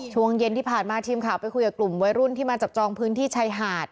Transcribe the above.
ช่วงเย็นที่ผ่านมาทีมข่าวไปคุยกับกลุ่มวัยรุ่นที่มาจับจองพื้นที่ชายหาด